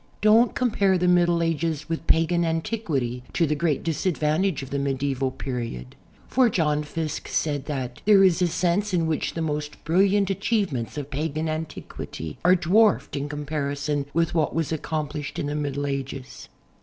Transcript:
Don't comj)are the Middle Ages with pagan anticinity lo the great disadvantage of the medieval period, for John Fiske said that There is a sense in which the most brilliant achievements of i)agan antiquity are dwarfed in com parison with what was accomi)lished in the Middle Ages."